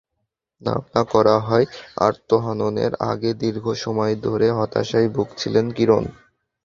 ধারণা করা হয়, আত্মহননের আগে দীর্ঘ সময় ধরে হতাশায় ভুগছিলেন কিরণ।